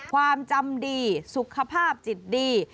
ความจำดีสุขภาพจิตดี